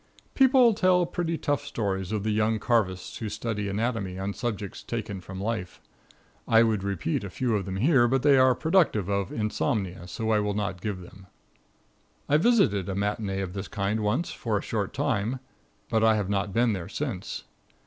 People tell pretty tough stories of the young carvists who study anatomy on subjects taken from life. I would repeat a few of them here, but they are productive of insomnia, so I will not give them. I visited a matinee of this kind once for a short time, but I have not been there since.